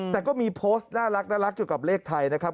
แต่ก็มีโพสต์น่ารักเกี่ยวกับเลขไทยนะครับ